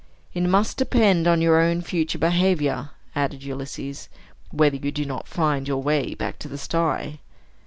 "It must depend on your own future behavior," added Ulysses, "whether you do not find your way back to the sty."